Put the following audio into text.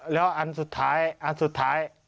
แล้วอันสุดท้าย